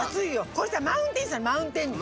これさマウンテンさマウンテンに。